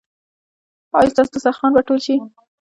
ایا ستاسو دسترخوان به ټول شي؟